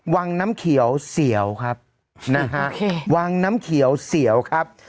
วังน้ำเขียวเสียวครับนะฮะวังน้ำเขียวเสียวครับ